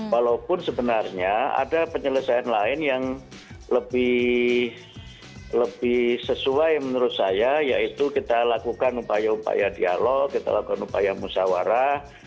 walaupun sebenarnya ada penyelesaian lain yang lebih sesuai menurut saya yaitu kita lakukan upaya upaya dialog kita lakukan upaya musawarah